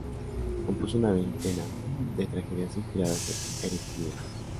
Compuso una veintena de tragedias inspiradas en Eurípides.